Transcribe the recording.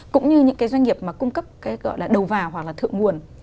cũng như những cái doanh nghiệp mà cung cấp cái gọi là đầu vào hoặc là thượng nguồn